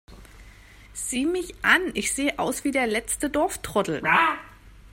Sieh mich an, ich sehe aus wie der letzte Dorftrottel!